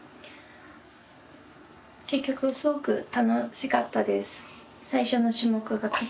結局すごく楽しかったです。